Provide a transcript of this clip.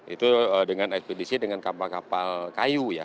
itu dengan ekspedisi dengan kapal kapal kayu ya